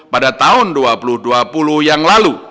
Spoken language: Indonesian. pada tahun dua ribu dua puluh yang lalu